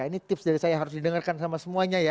ini tips dari saya harus didengarkan sama semuanya ya